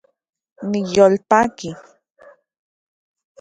Niyolpaki